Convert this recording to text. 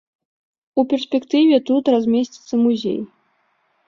У перспектыве тут размесціцца музей.